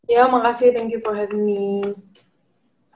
ya makasih thank you for having me